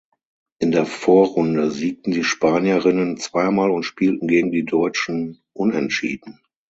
In der Vorrunde siegten die Spanierinnen zweimal und spielten gegen die Deutschen Unentschieden.